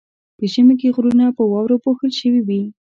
په ژمي کې غرونه په واورو پوښل شوي وي.